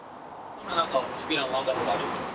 今なんかお好きな漫画とかあるんですか？